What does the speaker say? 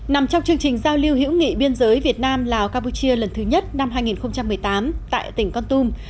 nằm trong chương trình giao lưu hữu nghị biên giới việt nam lào campuchia lần thứ nhất năm hai nghìn một mươi tám tại tỉnh con tum